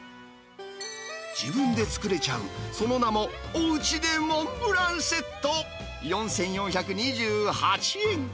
自分で作れちゃう、その名も、おうちでモンブランセット４４２８円。